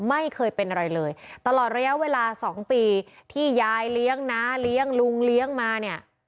ไม่เคยเป็นอะไรเลยตลอดระยะเวลาสองปีที่ยายเลี้ยงน้าเลี้ยงลุงเลี้ยงมาเนี่ย